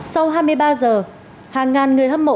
sau hai mươi ba giờ hàng ngàn người hâm mộ